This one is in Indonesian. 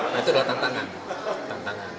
nah itu adalah tantangan